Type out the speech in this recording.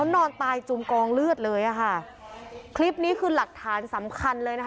นอนตายจมกองเลือดเลยอ่ะค่ะคลิปนี้คือหลักฐานสำคัญเลยนะคะ